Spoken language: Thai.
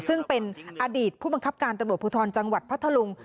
ซึ่งเป็นอดีตผู้บังคับการตำรวจภูทรจังหวัดพัทธลุง